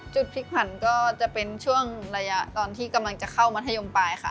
พลิกผันก็จะเป็นช่วงระยะตอนที่กำลังจะเข้ามัธยมปลายค่ะ